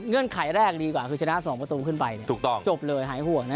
เงื่อนไขแรกดีกว่าคือชนะ๒ประตูขึ้นไปจบเลยหายห่วงนะ